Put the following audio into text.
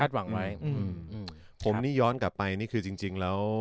หวังไว้อืมผมนี่ย้อนกลับไปนี่คือจริงจริงแล้ว